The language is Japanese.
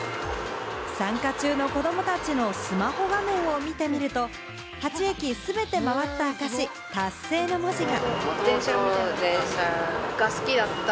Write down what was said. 参加中の子供たちのスマホ画面を見てみると、８駅すべて回った証「達成」の文字が。